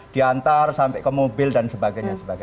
diantar sampai ke mobil dan sebagainya